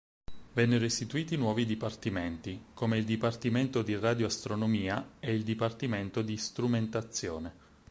Vennero istituiti nuovi dipartimenti, come il Dipartimento di radioastronomia e il Dipartimento di strumentazione.